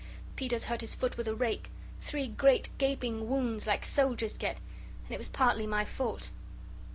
"Peter's hurt his foot with a rake three great gaping wounds, like soldiers get. And it was partly my fault."